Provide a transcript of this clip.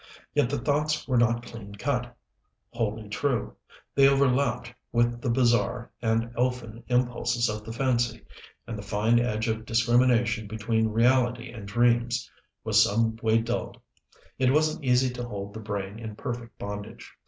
Yet the thoughts were not clean cut, wholly true they overlapped with the bizarre and elfin impulses of the fancy, and the fine edge of discrimination between reality and dreams was some way dulled. It wasn't easy to hold the brain in perfect bondage.